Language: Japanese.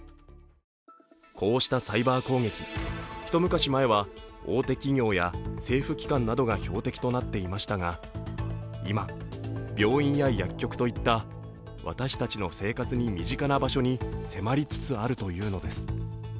こうしたサイバー攻撃、一昔前は大手企業や政府機関などが標的となっていましたが今、病院や薬局といった私たちの生活に身近な場所に迫りつつあるというのです。